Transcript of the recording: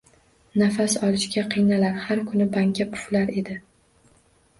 Nafas olishga qiynalar, har kuni banka puflar edi.